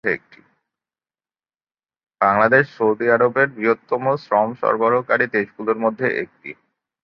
বাংলাদেশ সৌদি আরবের বৃহত্তম শ্রম সরবরাহকারী দেশগুলির মধ্যে একটি।